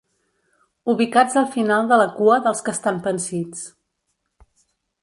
Ubicats al final de la cua dels que estan pansits.